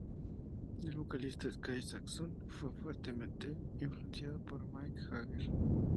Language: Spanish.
El vocalista, Sky Saxon, fue fuertemente influenciado por Mick Jagger.